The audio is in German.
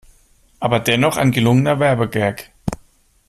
Aber dennoch ein gelungener Werbegag.